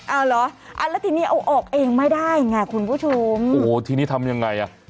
เอาเหรออ่าแล้วทีนี้เอาออกเองไม่ได้ไงคุณผู้ชมโอ้โหทีนี้ทำยังไงอ่ะ